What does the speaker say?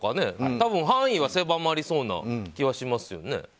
多分、範囲は狭まりそうな気はしますね。